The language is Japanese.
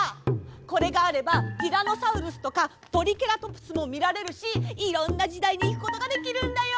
これがあればティラノサウルスとかトリケラトプスもみられるしいろんなじだいにいくことができるんだよ！